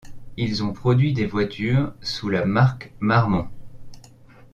Ils ont produit des voitures sous la marque Marmon.